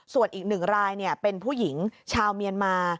ส่วนอีก๑รายเป็นผู้หญิงชาวเมียนมา